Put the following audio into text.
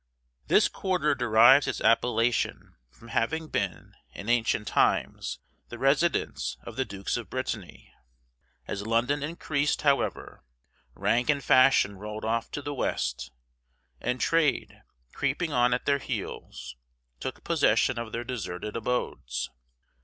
This quarter derives its appellation from having been, in ancient times, the residence of the Dukes of Brittany. As London increased, however, rank and fashion rolled off to the west, and trade, creeping on at their heels, took possession of their deserted abodes.